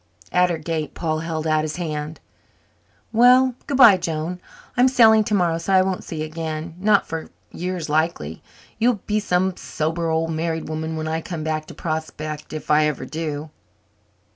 At her gate Paul held out his hand. "Well, good bye, Joan. I'm sailing tomorrow so I won't see you again not for years likely. You will be some sober old married woman when I come back to Prospect, if I ever do."